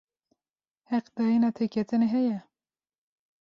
Heqdayina têketinê heye?